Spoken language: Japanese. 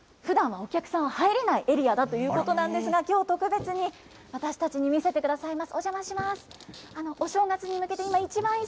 ふだんはお客さんは入れないエリアだということなんですが、きょう、特別に私たちに見せてくださいます。